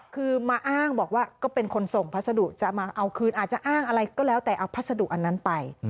คือมาอ้างบอกว่าก็เป็นคนส่งพัสดุจะมาเอาคืนอาจจะอ้างอะไรก็แล้วแต่เอาพัสดุอันนั้นไป